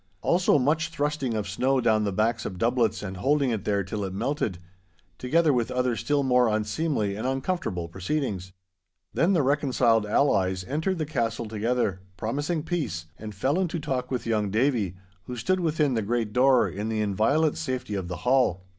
Also much thrusting of snow down the backs of doublets and holding it there till it melted—together with other still more unseemly and uncomfortable proceedings. Then the reconciled allies entered the castle together, promising peace, and fell into talk with young Davie, who stood within the great door in the inviolate safety of the hall.